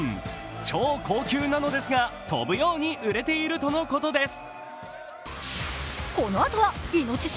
超高級なのですが、飛ぶように売れているとのことです。